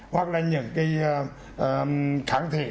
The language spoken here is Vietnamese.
hoặc là những cái kháng thể